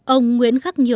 ông nguyễn khắc nhược